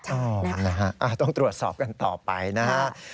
ใช่ต้องตรวจสอบกันต่อไปนะ